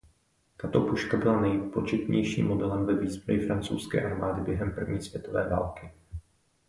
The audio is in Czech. Tato puška byla nejpočetnějším modelem ve výzbroji francouzské armády během první světové války.